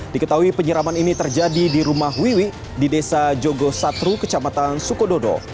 diketahui penyiraman ini terjadi di rumah wiwi di desa jogosatru kecamatan sukododo